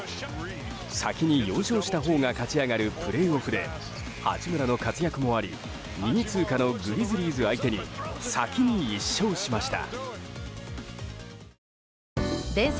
先に４勝したほうが勝ち上がるプレーオフで八村の活躍もあり２位通過のグリズリーズ相手に先に１勝しました。